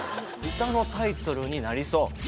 歌のタイトルになりそう。